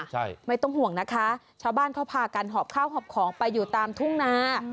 ใช่ไม่ต้องห่วงนะคะชาวบ้านเขาพากันหอบข้าวหอบของไปอยู่ตามทุ่งนา